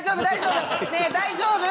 大丈夫？